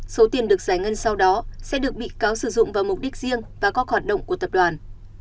số tiền được giải ngân sau đó sẽ được bị cáo sử dụng vào mục đích riêng và các hoạt động của tập đoàn